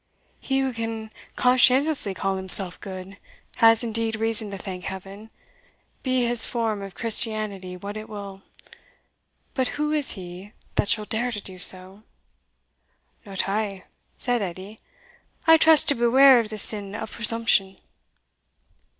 "He who can conscientiously call himself good, has indeed reason to thank Heaven, be his form of Christianity what it will But who is he that shall dare to do so!" "Not I," said Edie; "I trust to beware of the sin of presumption."